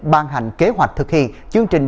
ban hành kế hoạch thực hiện chương trình